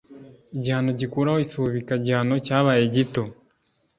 igihano gikuraho isubikagihano cyabaye gito